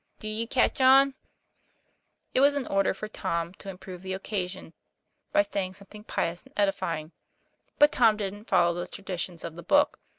Do ye catch on ?" It was in order for Tom to improve the occasion by saying something pious and edifying. But Tom didn't follow the traditions of the book.